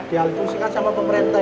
dialih fungsi kan sama pemerintah ini